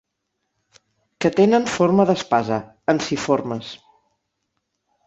Que tenen forma d'espasa, ensiformes.